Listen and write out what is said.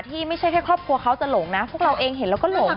ไม่ใช่แค่ครอบครัวเขาจะหลงนะพวกเราเองเห็นแล้วก็หลง